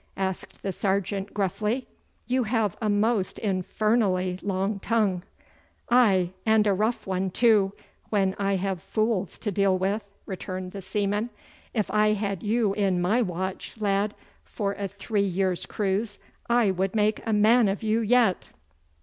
asked the sergeant gruffly. 'You have a most infernally long tongue.' 'Aye, and a rough one, too, when I have fools to deal with,' returned the seaman. 'If I had you in my watch, lad, for a three years' cruise, I would make a man of you yet.